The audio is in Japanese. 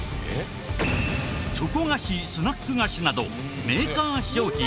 チョコ菓子スナック菓子などメーカー商品。